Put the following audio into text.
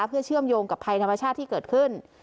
เพื่อเชื่อมโยงกับภัยธรรมชาติที่เกิดขึ้น